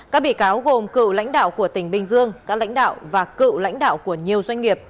các bị cáo gồm cựu lãnh đạo của tỉnh bình dương các lãnh đạo và cựu lãnh đạo của nhiều doanh nghiệp